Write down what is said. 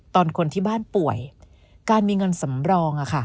ตอนที่บ้านป่วยการมีเงินสำรอง